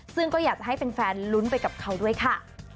ซึ่งก็อยากจะให้แฟนลุ้นไปกับเขาด้วยค่ะ